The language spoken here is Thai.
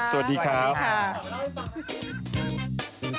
โปรดติดตามตอนต่อไป